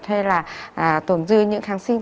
hay là tồn dư những kháng sinh